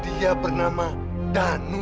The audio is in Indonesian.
dia bernama danu